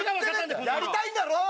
やりたいんだろ！